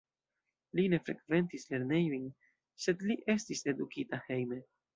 Li ne frekventis lernejojn, sed li estis edukita hejme.